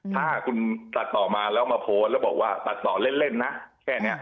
ถ้าคุณตัดต่อมาแล้วมาโพสต์แล้วบอกว่าตัดต่อเล่นนะแค่นี้